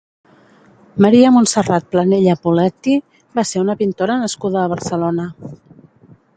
Maria Montserrat Planella Poletti va ser una pintora nascuda a Barcelona.